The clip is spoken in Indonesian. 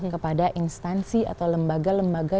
kepada instansi atau lembaga lembaga